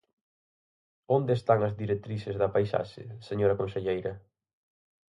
¿Onde están as directrices da paisaxe, señora conselleira?